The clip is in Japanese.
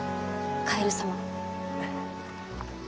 カエル様。